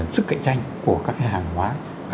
sức cạnh tranh của các hàng hóa